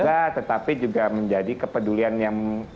bisa tetapi juga menjadi kepedulian yang